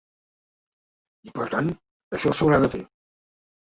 I per tant, això s’haurà de fer.